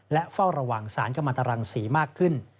และเฝ้าระวังสารกรรมตรังศรีมากขึ้น